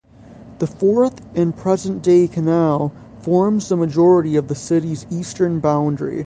The fourth and present-day canal forms the majority of the city's eastern boundary.